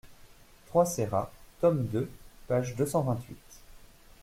trois Serra, tome deux, page deux cent vingt-huit.